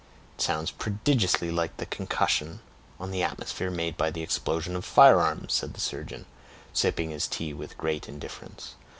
"It sounds prodigiously like the concussion on the atmosphere made by the explosion of firearms," said the surgeon, sipping his tea with great indifference.